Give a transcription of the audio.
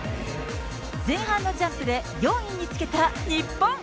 前半のジャンプで４位につけた日本。